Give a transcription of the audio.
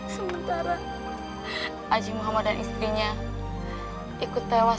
sementara aji muhammad dan istrinya ikut tewas